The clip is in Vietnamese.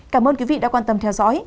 cảm ơn quý vị đã quan tâm theo dõi